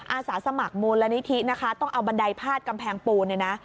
อาสาสมัครมูลณิธิต้องเอาบันไดพาดกำแพงปูน